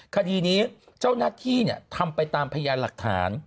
คดีนี้เจ้าหน้าที่ทำไปตามพยานหลักฐาน